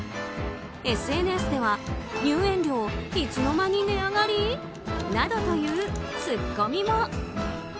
ＳＮＳでは入園料、いつの間に値上がり？などというツッコミも。